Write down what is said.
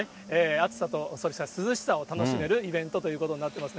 暑さと、それから涼しさを楽しめるイベントということになってます。